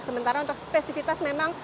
sementara untuk spesifitas memang tidak